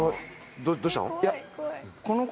どどうしたの？